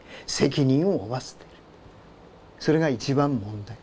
それが一番問題。